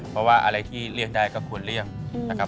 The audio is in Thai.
เพราะว่าอะไรที่เลี่ยงได้ก็ควรเลี่ยงนะครับ